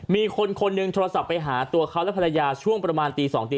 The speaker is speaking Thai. มีคนคนหนึ่งโทรศัพท์ไปหาตัวเขาและภรรยาช่วงประมาณตี๒ตี